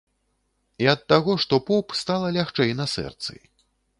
І ад таго, што поп, стала лягчэй на сэрцы.